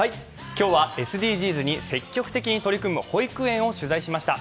今日はＳＤＧｓに積極的に取り組む保育園を取材しました。